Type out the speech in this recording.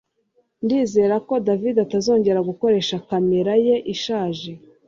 Ndizera ko David atazongera gukoresha kamera ye ishaje